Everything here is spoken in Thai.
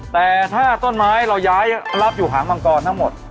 แต่ถ้าต้นไม้เราย้ายรับอยู่หางมังกรทั้งหมด